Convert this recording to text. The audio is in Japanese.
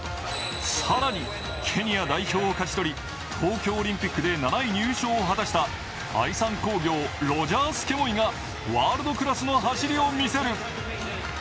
更に、ケニア代表を勝ち取り東京オリンピックで７位入賞を果たした愛三工業ロジャース・ケモイがワールドクラスの走りを見せる。